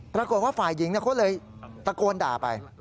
ปรากฏว่าฝ่ายหญิงเขาเลยตะโกนด่าไป